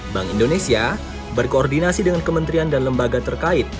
bank indonesia berkoordinasi dengan kementerian dan lembaga terkait